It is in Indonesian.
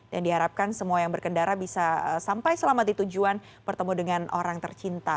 dan diharapkan semua yang berkendara bisa sampai selamat di tujuan bertemu dengan orang tercinta